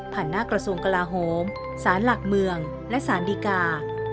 หน้ากระทรวงกลาโหมศาลหลักเมืองและสารดีกา